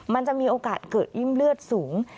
มันจะมีโอกาสเกิดอิ่มเลือดสูง